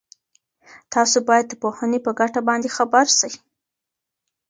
تاسو باید د پوهني په ګټه باندي خبر سئ.